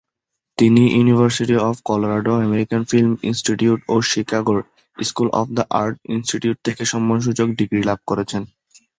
তিনি university of Colorado, American film institute ও শিকাগোর "school of the art institute" থেকে সম্মানসূচক ডিগ্রি লাভ করেছেন।